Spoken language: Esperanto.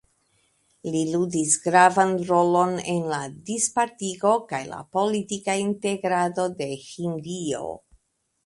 Li ludis gravan rolon en la dispartigo kaj la politika integrado de Hindio.